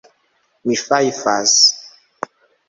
Mi fajfas.